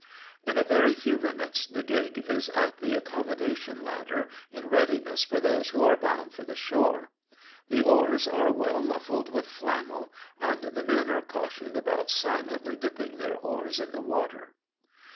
In a very few minutes the gig is at the accommoda tion ladder, in readiness for those who are bound for the shore. The oars are well mufiBed with flannel, and the men are cautioned about silently dipping their oars in the water.